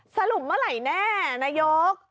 สรุปเมื่อไหร่แน่นายก